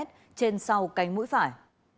trên sau cánh mũi phải